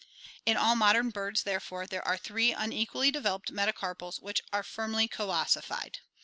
In all modern birds, therefore, there are three un equally developed metacarpals which are firmly coossified.